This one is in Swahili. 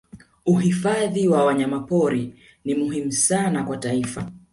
uhifadhi wa wanyamapori ni muhimu sana kwa taifa